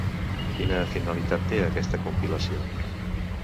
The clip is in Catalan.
Quina finalitat té, aquesta compilació?